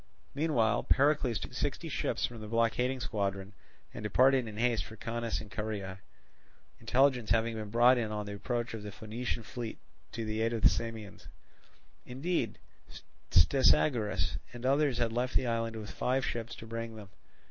Meanwhile Pericles took sixty ships from the blockading squadron, and departed in haste for Caunus and Caria, intelligence having been brought in of the approach of the Phoenician fleet to the aid of the Samians; indeed Stesagoras and others had left the island with five ships to bring them.